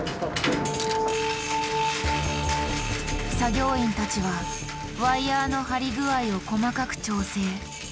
作業員たちはワイヤーの張り具合を細かく調整。